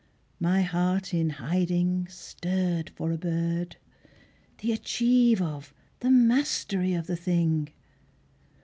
My heart in hiding Stirred for a bird, the achieve of, the mastery of the thing!